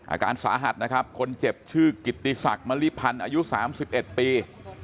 อาการสาหัสนะครับคนเจ็บชื่อกิติศักดิ์มริพันธ์อายุ๓๑ปี